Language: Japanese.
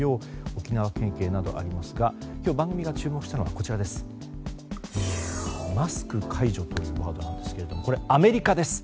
沖縄関係などありますが今日、番組が注目したのがマスク解除というワードなんですけどこれ、アメリカです。